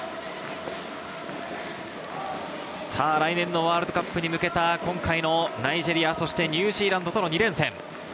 来年のワールドカップに向けた今回のナイジェリア、そしてニュージーランドとの２連戦。